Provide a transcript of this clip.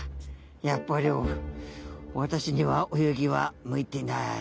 やっぱり私には泳ぎは向いてない。